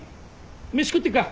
飯食ってくか？